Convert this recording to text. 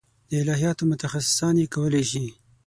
د الهیاتو متخصصان یې کولای شي.